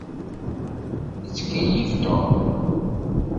Yettkeyyif Tom.